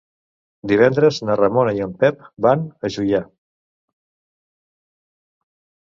Divendres na Ramona i en Pep vaig a Juià.